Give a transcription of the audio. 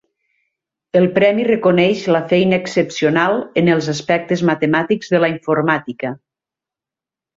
El premi reconeix la feina excepcional en els aspectes matemàtics de la informàtica.